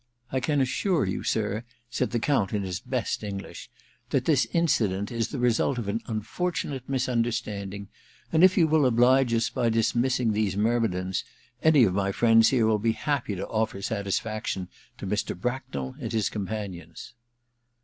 ^ I can assure you, sir,' said the Count in his best English, * that this incident is the result of an unfortunate misunderstanding, and if you ^1 oblige us by dismissing these myrmidons, any of my friends here will be happy to oflTer satisfaction to Mr. Bracknell and his com panions.'